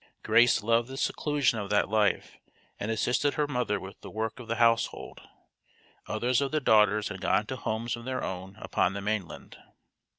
Grace loved the seclusion of that life and assisted her mother with the work of the household. Others of the daughters had gone to homes of their own upon the mainland.